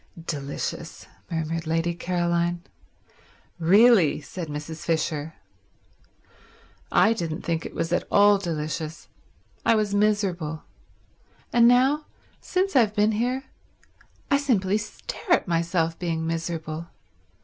"Delicious," murmured Lady Caroline. "Really—" said Mrs. Fisher. "I didn't think it was at all delicious. I was miserable. And now, since I've been here, I simply stare at myself being miserable.